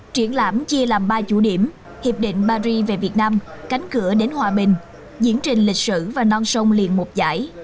triển lãm chia làm ba chủ điểm hiệp định paris về việt nam cánh cửa đến hòa bình diễn trình lịch sử và non sông liền một giải